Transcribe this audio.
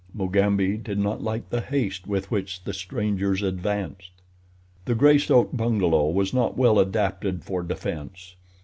Mugambi did not like the haste with which the strangers advanced. The Greystoke bungalow was not well adapted for defense.